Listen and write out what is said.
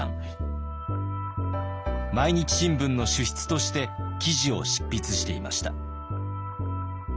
「毎日新聞」の主筆として記事を執筆していました。